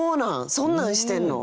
そんなんしてんの？